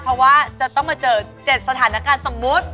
เพราะว่าจะต้องมาเจอ๗สถานการณ์สมมุติ